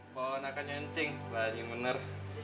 bawang nakan nyuncing panjang bener